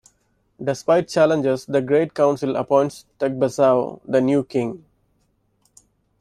Despite challenges, the Great Council appoints Tegbessou the new king.